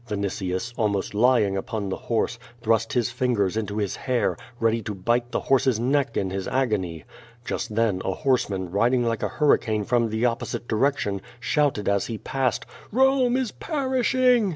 Vinitius, al« most lying upon the horse, thrust his fingers into his hair, ready to bite the horse's neck in his agony. Just then, a horse man, riding like a hurricane from the opposite direction, shouted as he passed, ^'Bome is perishing!"